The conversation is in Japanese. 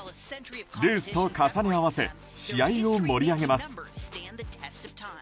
ルースと重ね合わせ試合を盛り上げます。